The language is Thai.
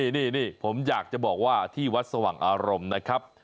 นี่ผมอยากจะบอกว่าที่วัดสว่างอารมณ์นะครับ